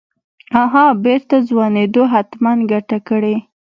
اها بېرته ځوانېدو حتمن ګته کړې.